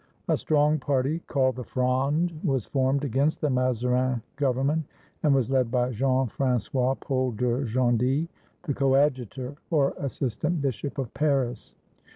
A strong party called the Fronde was formed against the Mazarin Government, and was led by Jean Francois Paul de Gondi, the Coadjutor, or assistant Bishop of Paris.